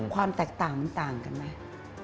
ความแตกต่างมันต่างกันไหม